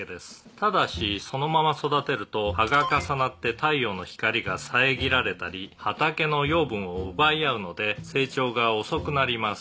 「ただしそのまま育てると葉が重なって太陽の光が遮られたり畑の養分を奪い合うので成長が遅くなります」